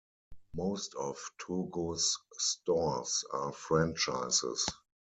Most of Togo's stores are franchises.